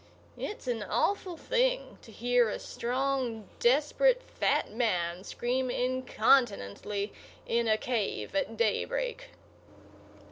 It's an awful thing to hear a strong, desperate, fat man scream incontinently in a cave at daybreak.